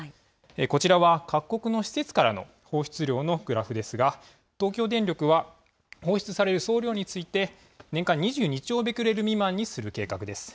こちらは各国の施設からの放出量のグラフですが、東京電力は放出される総量について年間２２兆ベクレル未満にする計画です。